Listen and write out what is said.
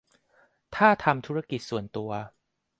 ถ้าทำธุรกิจส่วนตัว